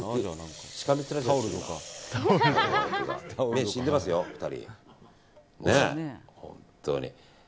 目死んでますよ、２人。